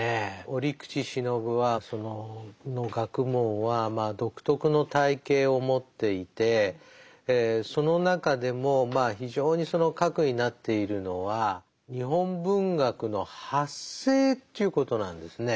折口信夫はその学問は独特の体系を持っていてその中でもまあ非常にその核になっているのは日本文学の発生ということなんですね。